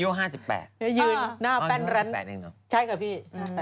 อยู่หน้าแป้นรั้นใช่ไหมพี่